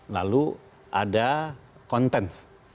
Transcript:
lalu ada konten